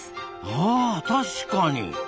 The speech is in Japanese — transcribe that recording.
あ確かに。